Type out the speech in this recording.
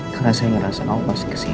karena saya merasa kamu masih ke sini